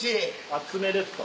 熱めですか？